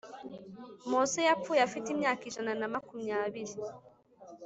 Mose yapfuye afite imyaka ijana na makumyabiri.